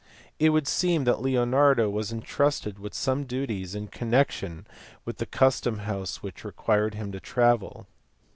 It would seem that Leonardo was entrusted with some duties in connection with the custom house which required him to travel.